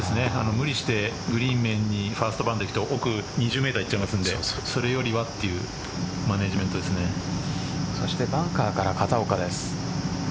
無理して、グリーン面にファーストバウンド、いくと２０ｍいっちゃいますのでそれよりはというバンカーから片岡です。